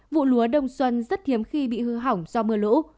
vụ lúa đông xuân rất hiếm khi bị hư hỏng do mưa lũ